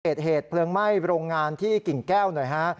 เหตุเพลิงไหม้โรงงานที่กิ่งแก้วหน่อยฮะ